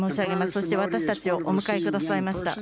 そして私たちをお迎えくださいました。